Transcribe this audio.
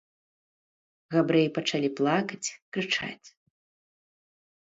Габрэі пачалі плакаць, крычаць.